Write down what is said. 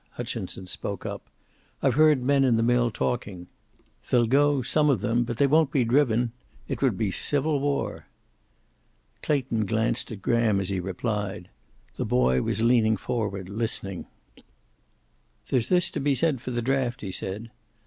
Hutchinson spoke up. "I've heard men in the mill talking. They'll go, some of them, but they won't be driven. It would be civil war." Clayton glanced at Graham as he replied. The boy was leaning forward, listening. "There's this to be said for the draft," he said.